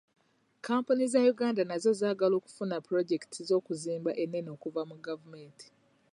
Kampuni za Uganda nazo zaagala okufuna pulojekiti z'okuzimba ennene okuva mu gavumenti.